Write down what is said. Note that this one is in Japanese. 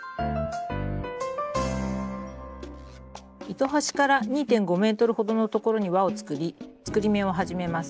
糸端から２．５ｍほどのところに輪を作り作り目を始めます。